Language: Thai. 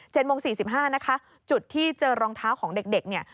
๗โมง๔๕นะคะจุดที่เจอรองเท้าของเด็ก